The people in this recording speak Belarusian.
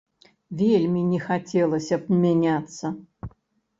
Вельмі не хацелася б мяняцца.